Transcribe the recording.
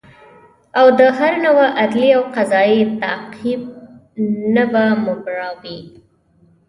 او د هر نوع عدلي او قضایي تعقیب نه به مبرا وي